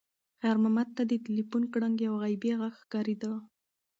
خیر محمد ته د تلیفون ګړنګ یو غیبي غږ ښکارېده.